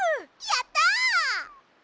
やった！